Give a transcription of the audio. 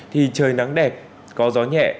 thì trời nắng đẹp có gió nhẹ